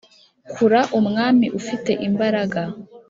kura umwami ufite imbaraga.